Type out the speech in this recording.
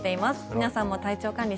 皆さんも体調管理